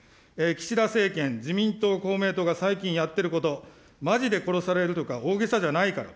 岸田政権、自民党、公明党が最近やってること、まじで殺されるとか大げさじゃないから。